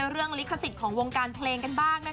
ลิขสิทธิ์ของวงการเพลงกันบ้างนะคะ